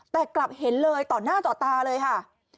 แต่กลับเห็นเลยต่อหน้าต่อตาเลยค่ะ